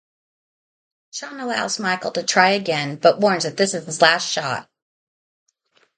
Shawn allows Michael to try again but warns that this is his last shot.